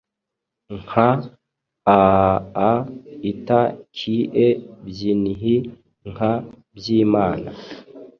Nka aa ita kie byinhi nka Byimana